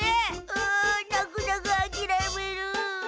うなくなくあきらめる。